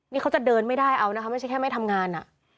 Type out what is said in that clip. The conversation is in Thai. นี่เขาจะเดินไม่ได้เอานะคะไม่ใช่แค่ไม่ทำงานอ่ะ